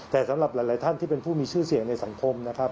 แต่สำหรับหลายท่านที่เป็นผู้มีชื่อเสียงในสังคมนะครับ